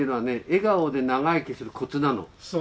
笑顔で長生きするコツなの。